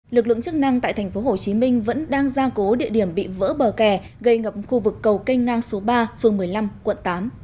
lực lượng chức năng tại tp hcm vẫn đang gia cố địa điểm bị vỡ bờ kè gây ngập khu vực cầu kênh ngang số ba phường một mươi năm quận tám